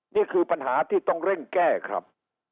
นี่คือปัญหาที่ต้องเร่งแก้ครับ